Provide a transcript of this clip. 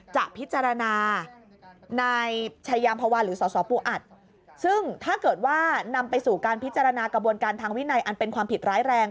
จะพิจารณานายชายามภาวะหรือสสปูอัดซึ่งถ้าเกิดว่านำไปสู่การพิจารณากระบวนการทางวินัยอันเป็นความผิดร้ายแรง